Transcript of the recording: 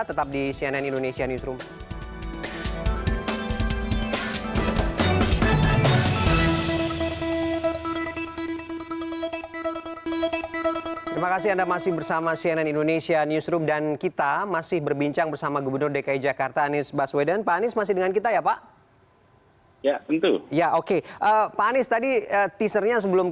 tetap di cnn indonesia newsroom